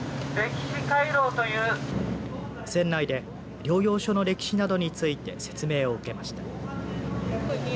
船内で療養所の歴史などについて説明を受けました。